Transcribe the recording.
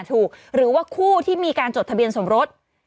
หรือว่าคู่ที่มีการจดทะเบียนสมรส